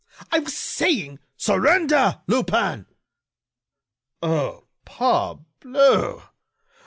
I was saying——" "Surrender, Lupin!" "Oh! parbleu!